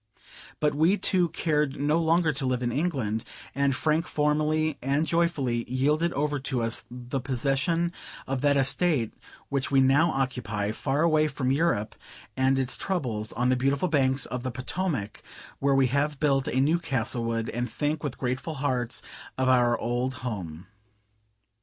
But we two cared no longer to live in England: and Frank formally and joyfully yielded over to us the possession of that estate which we now occupy, far away from Europe and its troubles, on the beautiful banks of the Potomac, where we have built a new Castlewood, and think with grateful hearts of our old home.